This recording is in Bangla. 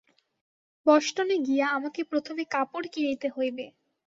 বষ্টনে গিয়া আমাকে প্রথমে কাপড় কিনিতে হইবে।